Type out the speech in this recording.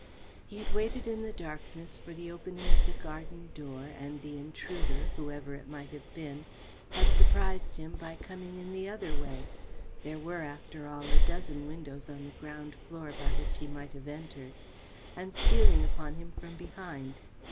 He had waited in the darkness for the opening of the garden door, and the intruder, whoever it might have been, had surprised him by coming in the other way there were, after all, a dozen windows on the ground floor by which he might have entered and stealing upon him from behind.